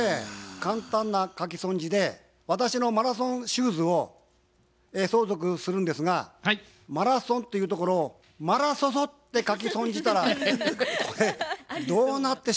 簡単な書き損じで私のマラソンシューズを相続するんですが「マラソン」っていうところを「マラソソ」って書き損じたらこれどうなってしまうんでしょうかね？